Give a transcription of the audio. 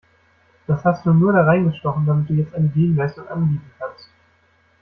Das hast du nur da reingestochen, damit du jetzt eine Gegenleistung anbieten kannst!